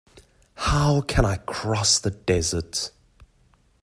How can I cross the desert?